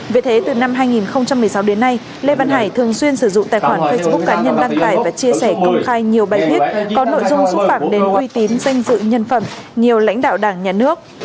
vì thế từ năm hai nghìn một mươi sáu đến nay lê văn hải thường xuyên sử dụng tài khoản facebook cá nhân đăng tải và chia sẻ công khai nhiều bài viết có nội dung xúc phạm đến uy tín danh dự nhân phẩm nhiều lãnh đạo đảng nhà nước